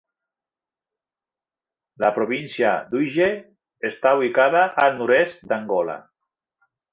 La província d'Uige està ubicada al nord-est d'Angola.